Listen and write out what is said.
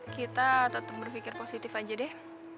kita tetap berpikir positif aja deh